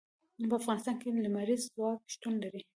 په افغانستان کې لمریز ځواک شتون لري.